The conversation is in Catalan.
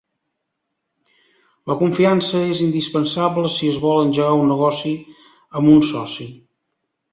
La confiança és indispensable si es vol engegar un negoci amb un soci.